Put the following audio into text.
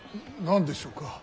・何でしょうか。